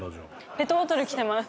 ペットボトル着てます。